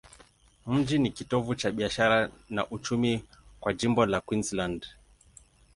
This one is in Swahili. Mji ni kitovu cha biashara na uchumi kwa jimbo la Queensland.